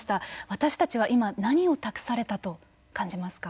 私たちは今何を託されたと感じますか。